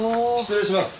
失礼します。